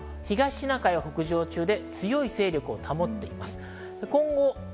東シナ海を北上中で強い勢力を保っています。